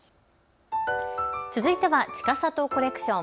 続いてはちかさとコレクション。